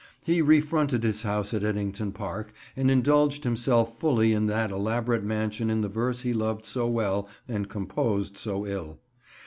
He refronted his house at Ettington Park, and indulged himself fully in that elaborate mansion in the verse he loved so well and composed so ill.